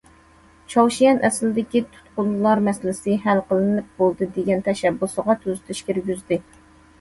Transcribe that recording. چاۋشيەن ئەسلىدىكى تۇتقۇنلار مەسىلىسى ھەل قىلىنىپ بولدى دېگەن تەشەببۇسىغا تۈزىتىش كىرگۈزدى.